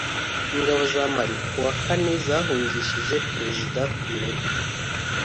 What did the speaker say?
Ingabo za Mali kuwa kane zahungishije Perezida Touré